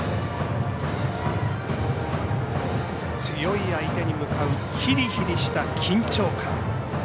強い相手に向かうヒリヒリした緊張感。